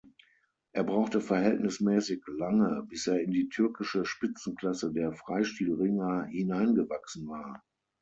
Er brauchte verhältnismäßig lange, bis er in die türkische Spitzenklasse der Freistilringer hineingewachsen war.